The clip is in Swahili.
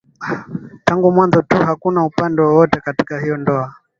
tangu mwanzo tu hakuna upande wowote katika hiyo ndoa